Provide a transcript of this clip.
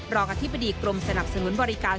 รองอธิบดีกรมสนับสนุนบริการ